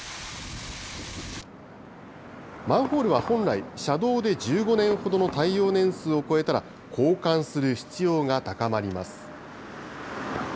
マンホールは本来、車道で１５年ほどの耐用年数を超えたら、交換する必要が高まります。